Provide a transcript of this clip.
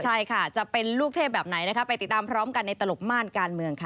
ใช่ค่ะจะเป็นลูกเทพแบบไหนนะคะไปติดตามพร้อมกันในตลบม่านการเมืองค่ะ